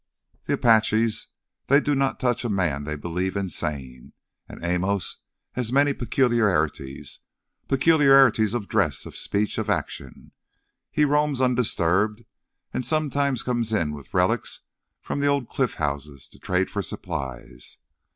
"The Apaches, they do not touch a man they believe insane, and Amos has many peculiarities: peculiarities of dress, of speech, of action. He roams undisturbed, sometimes coming in with relics from the old cliff houses to trade for supplies.